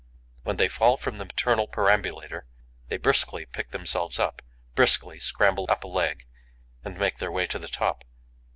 When they fall from the maternal perambulator, they briskly pick themselves up, briskly scramble up a leg and make their way to the top.